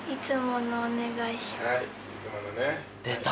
出た！